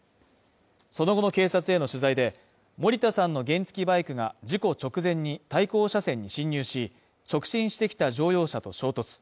その後の警察への取材で、森田さんの原付バイクが事故直前に対向車線に進入し、直進してきた乗用車と衝突。